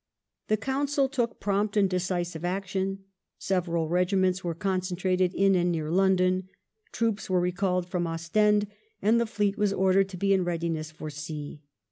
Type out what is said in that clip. The Council took prompt and decisive action. Several regiments were concentrated in and near London. Troops were recalled from Ostend, and the fleet was ordered to be in readiness for sea.